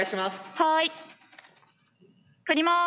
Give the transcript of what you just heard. はい撮ります。